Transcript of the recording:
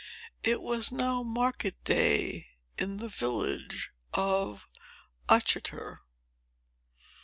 It was now market day in the village of Uttoxeter.